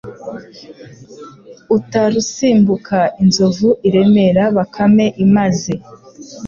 utarusimbuka Inzovu iremera Bakame imaze